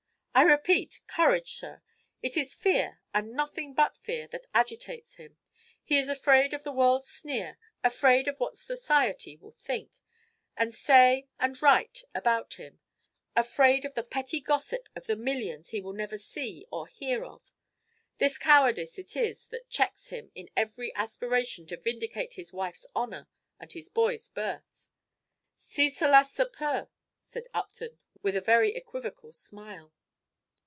"I repeat, courage, sir. It is fear, and nothing but fear, that agitates him. He is afraid of the world's sneer; afraid of what society will think, and say, and write about him; afraid of the petty gossip of the millions he will never see or hear of. This cowardice it is that checks him in every aspiration to vindicate his wife's honor and his boy's birth." "Si cela se peut," said Upton, with a very equivocal smile.